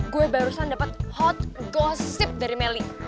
gue barusan dapet hot gossip dari meli